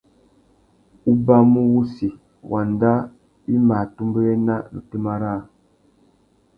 Ubamú wussi, wanda i mà atumbéwena na otémá râā.